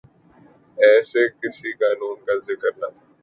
ایسے کسی قانون کا ذکر نہ تھا۔